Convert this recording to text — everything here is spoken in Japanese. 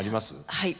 はい。